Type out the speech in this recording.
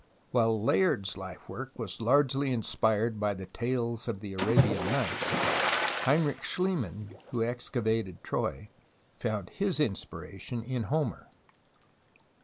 While Layard's life work was largely inspired by the Tales of the Arabian Nights, Heinrich Schliemann, who excavated Troy, found his inspiration in Homer.